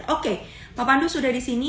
oke pak pandu sudah disini